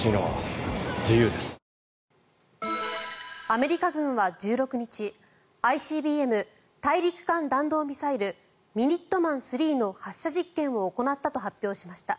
アメリカ軍は１６日ＩＣＢＭ・大陸間弾道ミサイルミニットマン３の発射実験を行ったと発表しました。